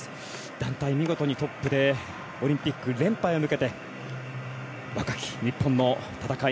団体見事にトップでオリンピック連覇へ向けて若き日本の戦い